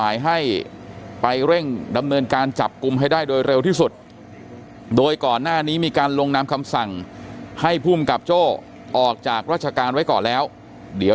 จริงจริงจริงจริงจริงจริงจริงจริงจริงจริงจริงจริงจริง